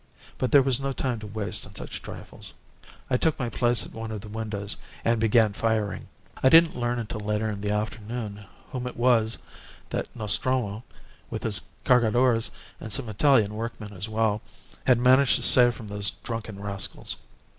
But there was no time to waste on such trifles. I took my place at one of the windows and began firing. "I didn't learn till later in the afternoon whom it was that Nostromo, with his Cargadores and some Italian workmen as well, had managed to save from those drunken rascals.